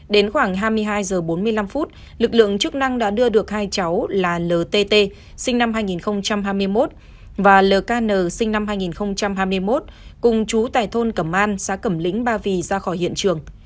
đến khoảng hai mươi hai h bốn mươi năm phút lực lượng chức năng đã đưa được hai cháu là ltt sinh năm hai nghìn hai mươi một và lk năm hai nghìn hai mươi một cùng chú tại thôn cẩm an xã cẩm lĩnh ba vì ra khỏi hiện trường